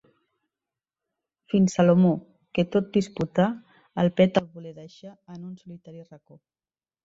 Fins Salomó, que tot disputà, el pet el volgué deixar en un solitari racó.